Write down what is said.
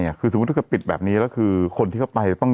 ถ้าก็ปิดแบบนี้แล้วคือคนที่เข้าไปต้องย้าย